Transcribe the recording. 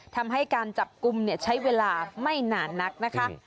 ทำให้การจับกลุ่มใช้เวลาไม่นานนักนะคะ